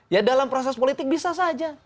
ya dalam proses politik bisa saja